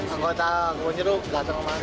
anggota kewenjeruk datang kemari